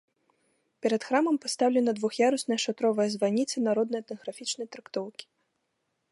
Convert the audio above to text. Перад храмам пастаўлена двух'ярусная шатровая званіца народна-этнаграфічнай трактоўкі.